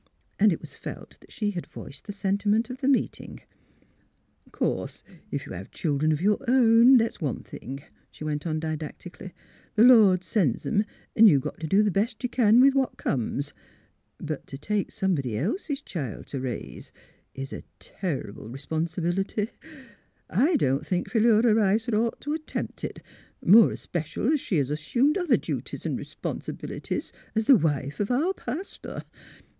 And it was felt that she had voiced the sentiment of the meeting. '' Course, if you have children of your own, that's one thing," she went on, didactically. *' The Lord sends 'em, an' you got t' do th' best you can with what comes. But to take some body else's child t' raise is a terrible r'sponsi bility. I don't think Philura Rice 'd ought t' attempt it, more especial as she has assumed other duties an' r'ponsibilities as the wife of our pastor.